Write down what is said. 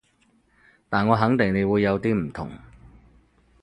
但我肯定你會有啲唔同